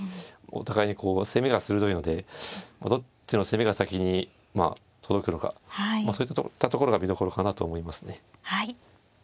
お互いにこう攻めが鋭いのでどっちの攻めが先に届くのかそういったところが見どころかなと思いますね。